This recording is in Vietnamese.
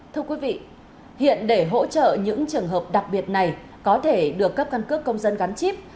thưa quý vị hiện để hỗ trợ những trường hợp đặc biệt này có thể được cấp căn cước công dân gắn chip